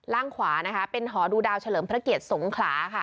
ขวานะคะเป็นหอดูดาวเฉลิมพระเกียรติสงขลาค่ะ